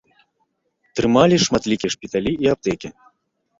Трымалі шматлікія шпіталі і аптэкі.